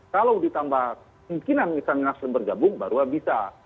kalau ditambah mungkinan misalnya nasional bergabung baru aja bisa